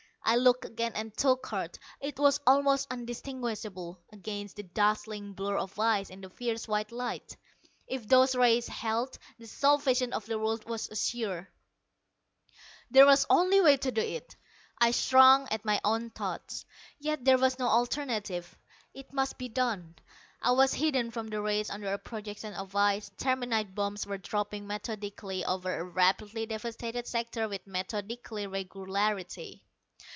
I looked again and took heart. It was almost undistinguishable against the dazzling blur of ice in the fierce white light. If those rays held, the salvation of the world was assured! There was only one way to do it. I shrank at my own thoughts, yet there was no alternative: it must be done. I was hidden from the rays under a projection of ice, terminite bombs were dropping methodically over a rapidly devastated sector with methodical regularity.